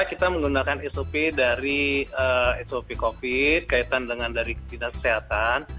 kita menggunakan sop dari sop covid kaitan dengan dari dinas kesehatan